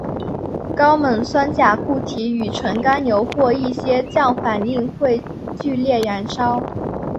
高锰酸钾固体与纯甘油或一些醇反应会剧烈燃烧。